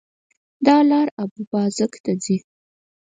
دا لار اببازک ته ځي